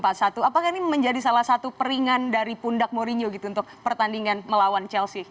apakah ini menjadi salah satu peringan dari pundak mourinho gitu untuk pertandingan melawan chelsea